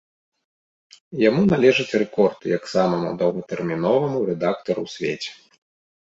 Яму належыць рэкорд як самаму доўгатэрміноваму рэдактару ў свеце.